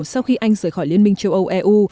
sau khi anh rời khỏi liên minh châu âu eu